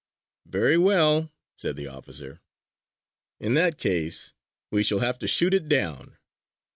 "Very well!" said the officer. "In that case, we shall have to shoot it down!"